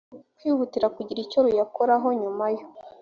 kwihutira kugira icyo ruyakoraho nyuma yo